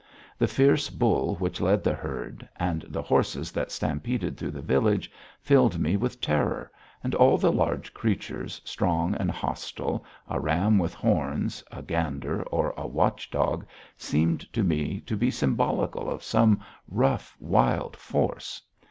The fierce bull which led the herd, and the horses that stampeded through the village, filled me with terror, and all the large creatures, strong and hostile, a ram with horns, a gander, or a watch dog seemed to me to be symbolical of some rough, wild force.